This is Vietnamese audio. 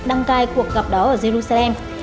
đăng cai cuộc gặp đó ở jerusalem